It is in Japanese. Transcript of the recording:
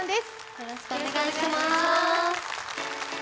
よろしくお願いします。